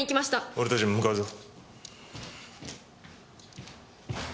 俺たちも向かうぞ。